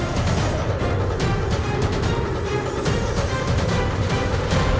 ia bukan diri saja